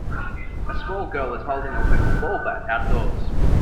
A small girl is holding a wiffle ball bat outdoors.